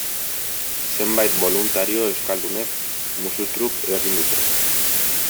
Zenbait boluntario euskaldunek, musu truk, egin dute.